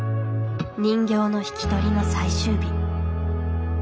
人形の引き取りの最終日。